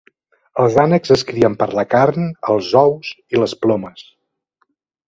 Els ànecs es crien per la carn, els ous i les plomes.